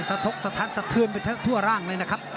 สถงกสถานทรักษณ์ไปทั่วร่างเลยนะครับ